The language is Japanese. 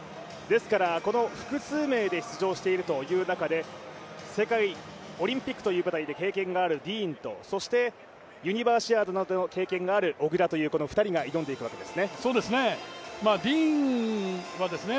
ですから複数名で出場している中で、オリンピックという舞台で経験があるディーンとそしてユニバーシアードなどでの経験がある小椋の２人が挑んでいくわけになるわけですね。